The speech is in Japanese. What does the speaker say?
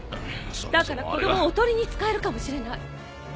だから子供をおとりに使えるかもしれない。